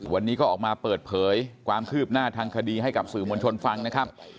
วันนี้ก็ออกมาเปิดเผยความคืบหน้าทางคดีให้กับสื่อมวลชนฟังนะครับ